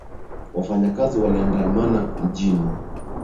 Wafanyikazi waliandamana mjini